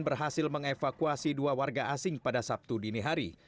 berhasil mengevakuasi dua warga asing pada sabtu dini hari